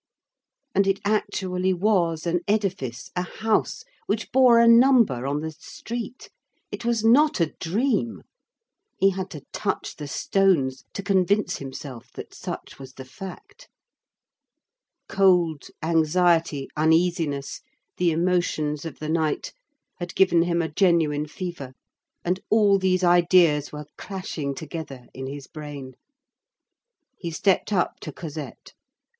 And it actually was an edifice, a house, which bore a number on the street! It was not a dream! He had to touch the stones to convince himself that such was the fact. Cold, anxiety, uneasiness, the emotions of the night, had given him a genuine fever, and all these ideas were clashing together in his brain. He stepped up to Cosette.